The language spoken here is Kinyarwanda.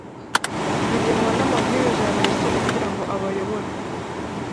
bigenwa n amabwiriza ya Minisitiri kugira ngo abayobore